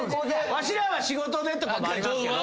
わしらは仕事でとかもありますけど。